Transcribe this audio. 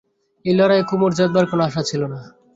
এ লড়াইয়ে কুমুর জেতবার কোনো আশা ছিল না।